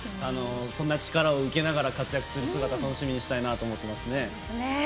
そんな力を受けながら活躍する姿楽しみにしたいなと思います。